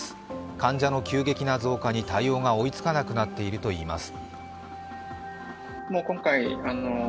患者の急激な増加に対応が追いつかなくなっているといいます。